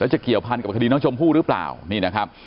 จะเกี่ยวพันกับคดีน้องชมพู่หรือเปล่านี่นะครับ